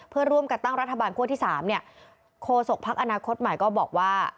เพื่อร่วมกันตั้งรัฐบาลคั่วที่๓เนี่ยโคศกพักอนาคตใหม่ก็บอกว่า